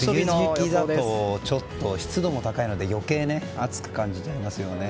梅雨時だと湿度も高いので余計暑く感じちゃいますよね。